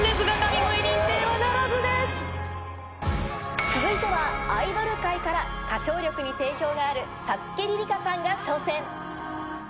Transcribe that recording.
残念ですが、続いては、アイドル界から歌唱力に定評がある砂月凜々香さんが挑戦。